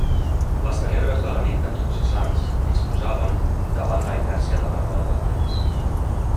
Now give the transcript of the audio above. Les tenebres de la nit de Tots Sants ens posaven davant la inèrcia de la roda del temps.